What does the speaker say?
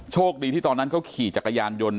โชคดีที่ตอนนั้นเขาขี่จักรยานยนต์